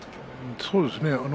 そうですね。